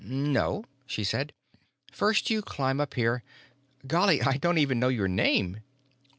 "No," she said. "First you climb up here—golly! I don't even know your name."